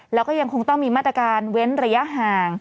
แล้วก็ยังคงต้องมีมาตรการเว้นระยะห่าง